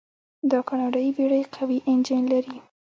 دا کاناډایي بیړۍ قوي انجن لري.